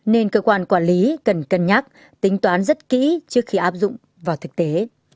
nên cơ quan quản lý cần cân nhắc tính toán rất kỹ trước khi áp dụng vào thực tế